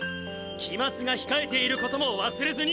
期末が控えていることも忘れずに！